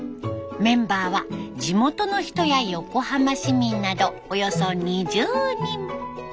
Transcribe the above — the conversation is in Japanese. メンバーは地元の人や横浜市民などおよそ２０人。